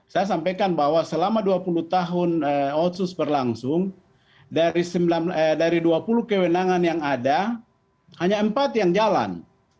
saya sampaikan bahwa selama dua puluh tahun otsus berlangsung dari dua puluh kewenangan yang ada hanya empat yang jalan